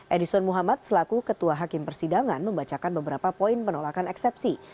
edison muhammad selaku ketua hakim persidangan membacakan beberapa poin penolakan eksepsi